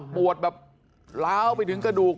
ปวดแบบล้าวไปถึงกระดูก